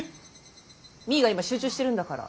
実衣が今集中してるんだから。